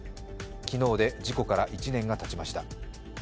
昨日で事故から１年がたちました。